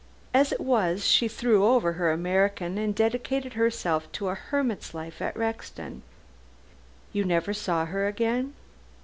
As it was, she threw over her American and dedicated herself to a hermit's life at Rexton." "You never saw her again?"